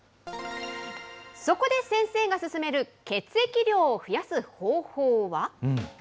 そこで先生が勧める血液量を増やす方法は？